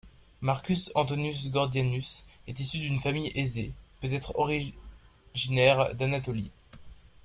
Marcus Antonius Gordianus est issu d'une famille aisée, peut-être originaire d'Anatolie.